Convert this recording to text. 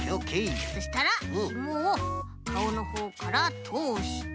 そしたらひもをかおのほうからとおして。